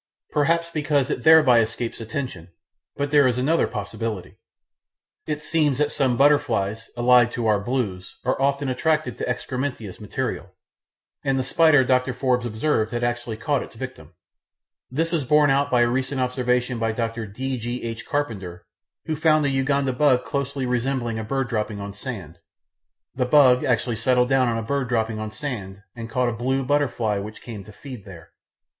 Perhaps because it thereby escapes attention; but there is another possibility. It seems that some butterflies, allied to our Blues, are often attracted to excrementitious material, and the spider Dr. Forbes observed had actually caught its victim. This is borne out by a recent observation by Dr. D. G. H. Carpenter, who found a Uganda bug closely resembling a bird dropping on sand. The bug actually settled down on a bird dropping on sand, and caught a blue butterfly which came to feed there!